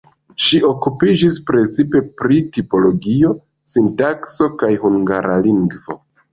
Ŝi okupiĝis precipe pri tipologio, sintakso kaj hungara lingvo.